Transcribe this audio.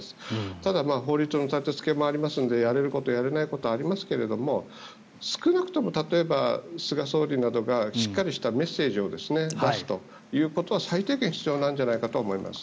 ただ、法律の建付けもありますのでやれること、やれないことがありますけど少なくとも例えば、菅総理などがしっかりしたメッセージを出すことは最低限必要じゃないかと思います。